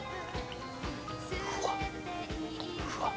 うわっ